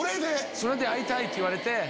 それで会いたいって言われて。